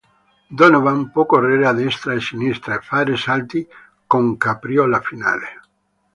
Donovan può correre a destra e sinistra e fare salti con capriola finale.